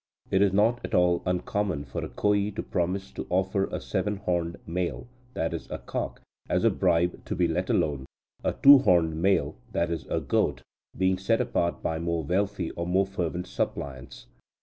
It is not at all uncommon for a Koyi to promise to offer a seven horned male (i.e. a cock) as a bribe to be let alone, a two horned male (i.e. a goat) being set apart by more wealthy or more fervent suppliants.